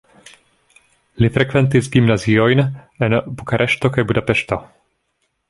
Li frekventis gimnaziojn en Bukareŝto kaj Budapeŝto.